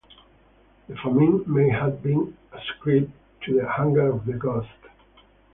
The famine may have been ascribed to the anger of the ghost.